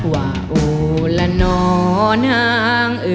ว่าโกะเลาน้องน้างเอ๋ย